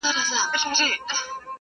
په عین و شین و قاف کي هغه ټوله جنتونه,